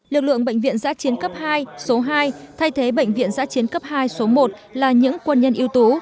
lực lượng bệnh viện giã chiến cấp hai số hai thay thế bệnh viện giã chiến cấp hai số một là những quân nhân yếu tố